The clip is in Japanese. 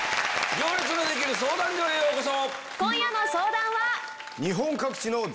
『行列のできる相談所』へようこそ。